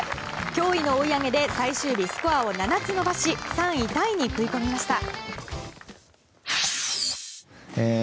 驚異の追い上げで最終日、スコアを７つ伸ばし３位タイに食い込みました。